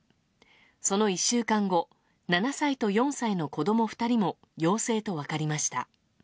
その１週間後７歳と４歳の子供２人も陽性と分かりました。